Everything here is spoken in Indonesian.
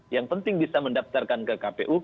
yang penting bisa mendaftarkan ke kpu